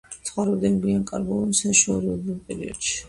ცხოვრობდნენ გვიან კარბონულსა და შუა იურულ პერიოდში.